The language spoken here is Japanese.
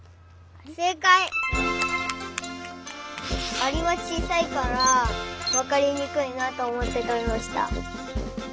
アリはちいさいからわかりにくいなとおもってとりました。